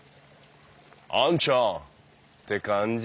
「あんちゃん！」って感じ？